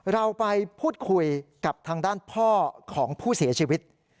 เราไปพูดคุยกับทางด้านพ่อของผู้เสียชีวิต